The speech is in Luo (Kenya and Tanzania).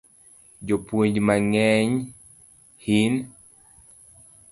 Jopuonj mang'eny hin